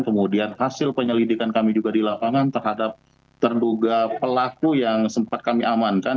kemudian hasil penyelidikan kami juga di lapangan terhadap terduga pelaku yang sempat kami amankan